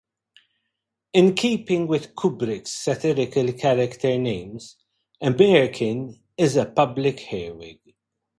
In keeping with Kubrick's satirical character names, a "merkin" is a pubic hair wig.